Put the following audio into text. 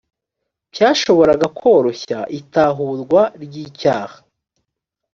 cyashoboraga koroshya itahurwa ry icyaha